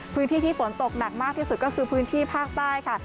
พื้นที่ที่ฝนตกหนักมากที่สุดก็คือพื้นที่ภาคใต้ค่ะ